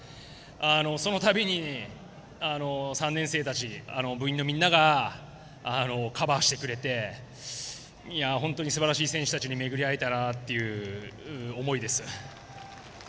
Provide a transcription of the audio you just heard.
その度に３年生たち部員のみんながカバーしてくれて本当にすばらしい選手たちに巡り合えたなという思いです。